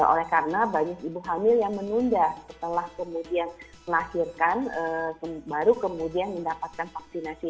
oleh karena banyak ibu hamil yang menunda setelah kemudian melahirkan baru kemudian mendapatkan vaksinasi